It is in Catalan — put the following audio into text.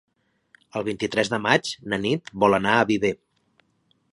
El vint-i-tres de maig na Nit vol anar a Viver.